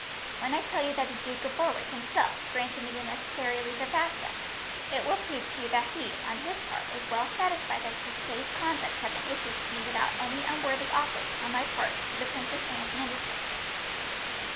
When I tell you that the Duke of Berwick, himself, granted me the necessary leave of absence, it will prove to you that he, on his part, was well satisfied that the safe conduct had been issued to me without any unworthy offers, on my part, to the Princess Anne's ministers."